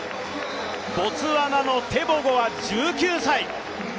ボツワナのテボゴは１９歳。